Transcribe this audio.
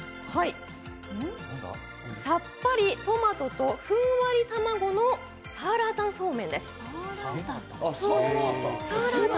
さっぱりトマトとふんわり卵の酸辣湯風そうめんです。